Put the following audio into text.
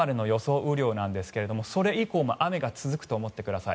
雨量なんですがそれ以降も雨が続くと思ってください。